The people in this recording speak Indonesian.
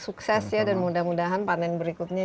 sukses ya dan mudah mudahan panen berikutnya